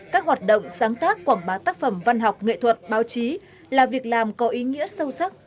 các hoạt động sáng tác quảng bá tác phẩm văn học nghệ thuật báo chí là việc làm có ý nghĩa sâu sắc